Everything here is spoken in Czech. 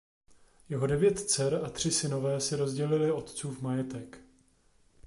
Jeho devět dcer a tři synové si rozdělili otcův majetek.